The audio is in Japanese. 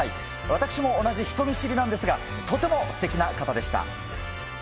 私も同じ人見知りなんですが、とてもすてきな方でした。